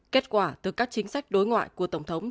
kết quả từ các chính sách đối ngoại của tổng thống